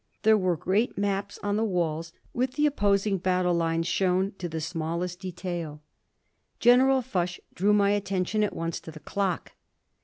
There were great maps on the walls, with the opposing battle lines shown to the smallest detail. General Foch drew my attention at once to the clock.